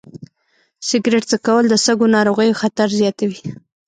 سګرټ څکول د سږو ناروغیو خطر زیاتوي.